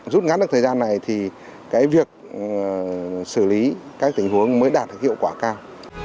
rút ngắn thời gian này thì việc xử lý các tình huống mới đạt được hiệu quả cao